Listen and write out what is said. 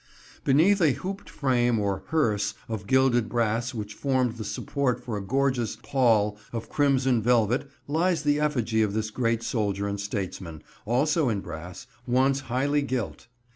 Beneath a hooped frame or "hearse" of gilded brass which formed the support for a gorgeous pall of crimson velvet lies the effigy of this great soldier and statesman, also in brass, once highly gilt.